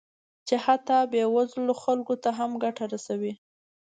چې حتی بې وزلو خلکو ته هم ګټه رسوي